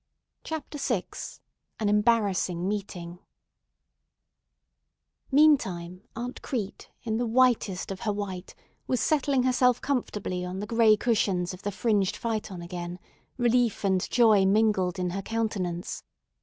CHAPTER VI AN EMBARRASSING MEETING MEANTIME Aunt Crete in the whitest of her white was settling herself comfortably on the gray cushions of the fringed phaeton again, relief and joy mingled in her countenance.